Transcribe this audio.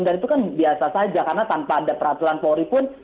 dan itu kan biasa saja karena tanpa ada peraturan polri pun